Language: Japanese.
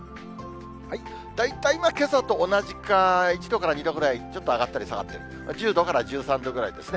大体けさと同じか、１度から２度くらい、ちょっと上がったり下がったり、１０度から１３度くらいですね。